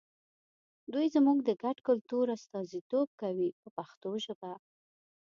دوی زموږ د ګډ کلتور استازیتوب کوي په پښتو ژبه.